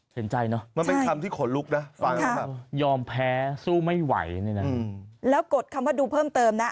เห็นใจเนอะมันเป็นคำที่ขนลุกนะยอมแพ้สู้ไม่ไหวแล้วกดคำว่าดูเพิ่มเติมนะ